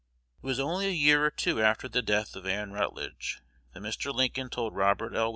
'" It was only a year or two after the death of Ann Rutledge that Mr. Lincoln told Robert L.